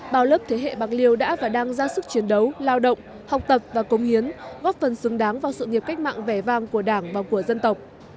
bao lớp thế hệ bạc liêu đã và đang ra sức chiến đấu lao động học tập và công hiến góp phần xứng đáng vào sự nghiệp cách mạng vẻ vang của đảng và của dân tộc